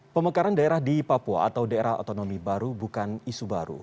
pemekaran daerah di papua atau daerah otonomi baru bukan isu baru